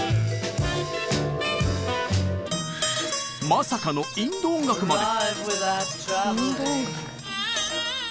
まさかのインド音楽まで。